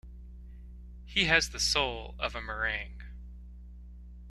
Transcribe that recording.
He has the soul of a meringue.